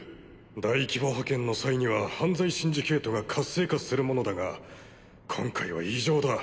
大規模派遣の際には犯罪シンジケートが活性化するものだが今回は異常だ。